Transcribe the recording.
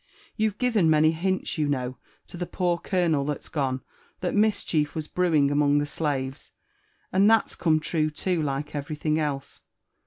You've given many hinls,.you know, to the poor colonel that's gone, that mischief was brewing anqrong the slaves —and that's come true too, like everything else.